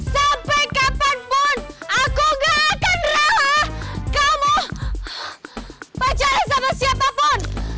sampai kapanpun aku gak akan rela kamu percaya sama siapapun